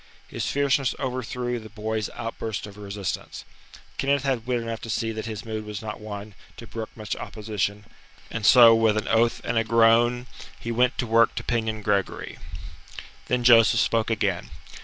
His fierceness overthrew the boy's outburst of resistance. Kenneth had wit enough to see that his mood was not one to brook much opposition, and so, with an oath and a groan, he went to work to pinion Gregory. Then Joseph spoke again.